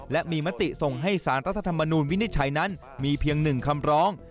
และมีมติส่งให้สารรัฐธรรมนูลวินิจฉัยนั้นมีเพียง๑คำร้อง